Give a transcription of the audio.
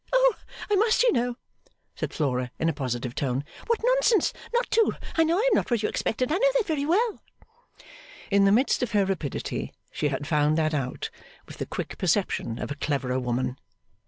'Oh I must you know,' said Flora, in a positive tone, 'what nonsense not to, I know I am not what you expected, I know that very well.' In the midst of her rapidity, she had found that out with the quick perception of a cleverer woman.